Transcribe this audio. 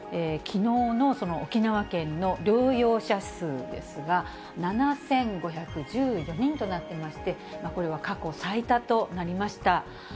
きのうの沖縄県の療養者数ですが、７５１４人となっていまして、これは過去最多となりました。